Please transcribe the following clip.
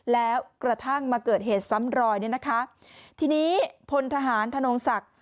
แล้วกระทั่งมาเกิดเหตุซ้ำรอยทีนี้พลทหารทนงศักดิ์